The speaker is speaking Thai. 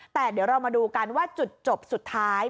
แต่เดี๋ยวเรามาดูกันว่าจุดจบสุดท้าย